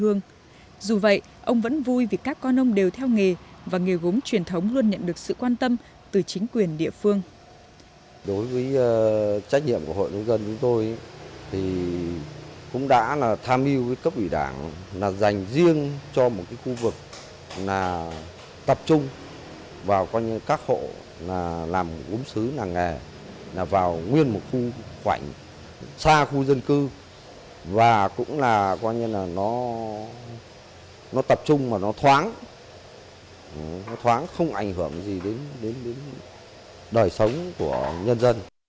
ông vẫn vui vì các con ông đều theo nghề và nghề gốm truyền thống luôn nhận được sự quan tâm từ chính quyền địa phương